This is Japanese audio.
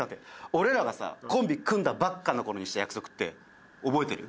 俺らがさコンビ組んだばっかの頃にした約束って覚えてる？